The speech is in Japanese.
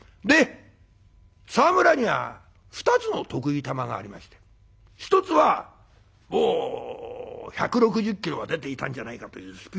沢村には２つの得意球がありまして一つは１６０キロは出ていたんじゃないかというスピードボール。